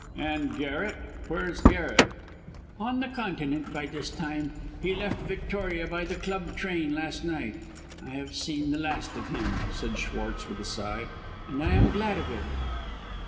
"And Garret. Where is Garret?" "On the Continent by this time. He left Victoria by the club train last night. I have seen the last of him," said Schwartz, with a sigh, "and I am glad of it."